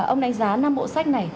ông đánh giá năm bộ sách này